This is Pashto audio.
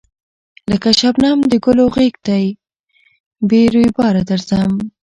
لکه شبنم د گلو غېږ ته بې رویباره درځم